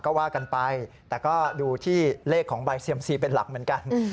ก็ว่ากันไปแต่ก็ดูที่เลขของใบเซียมซีเป็นหลักเหมือนกัน